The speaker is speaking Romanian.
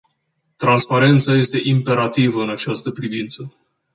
Transparența este imperativă în această privință.